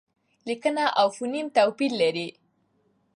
لیکنه او فونېم توپیر لري.